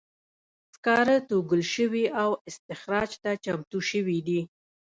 سکاره توږل شوي او استخراج ته چمتو شوي دي.